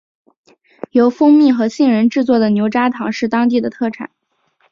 由蜂蜜和杏仁制作的牛轧糖是当地的特产。